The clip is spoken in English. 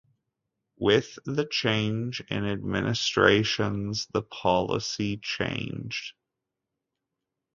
With the change in administrations, the policy changed.